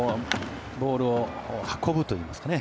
ボールを運ぶといいますかね。